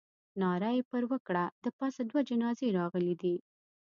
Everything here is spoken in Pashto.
ناره یې پر وکړه. د پاسه دوه جنازې راغلې دي.